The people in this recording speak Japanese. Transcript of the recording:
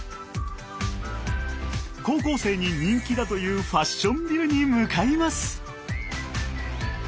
高校生に人気だというファッションビルに向かいます。